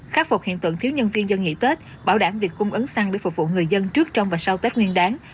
khắc phục hiện tượng thiếu nhân viên dân nghỉ tết bảo đảm việc cung ứng xăng để phục vụ người dân trước trong và sau tết nguyên đáng